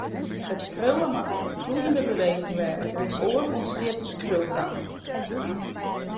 It skriuwen moat ien floeiende beweging wêze, oars ûntstiet skriuwkramp.